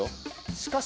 しかし？